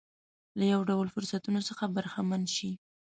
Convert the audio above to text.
له یو ډول فرصتونو څخه برخمن شي.